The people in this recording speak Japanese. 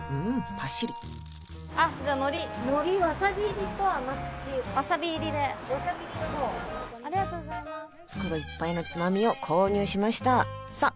パシリあっじゃあのりのりわさび入りか甘口わさび入りでわさび入りの方袋いっぱいのつまみを購入しましたさあ